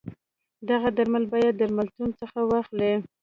دغه درمل باید درملتون څخه واخلی.